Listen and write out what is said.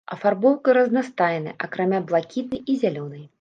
Афарбоўка разнастайная, акрамя блакітнай і зялёнай.